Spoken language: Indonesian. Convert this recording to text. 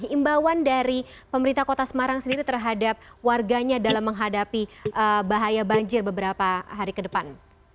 imbauan dari pemerintah kota semarang sendiri terhadap warganya dalam menghadapi bahaya banjir beberapa hari ke depan